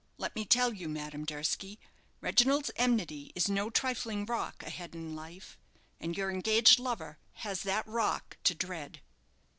Let me tell you, Madame Durski, Reginald's enmity is no trifling rock ahead in life, and your engaged lover has that rock to dread."